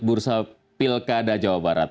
bursa pilkada jawa barat